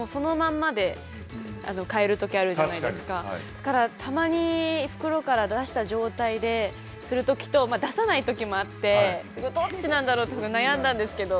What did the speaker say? だからたまに袋から出した状態でする時と出さない時もあってどっちなんだろうって悩んだんですけど。